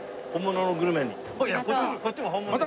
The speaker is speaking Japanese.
いやこっちも本物ですよ。